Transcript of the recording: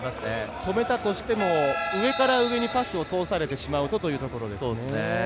止めたとしても上からパスを通されてしまうとというところですね。